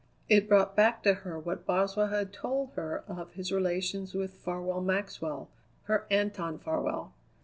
It brought back to her what Boswell had told her of his relations with Farwell Maxwell, her Anton Farwell.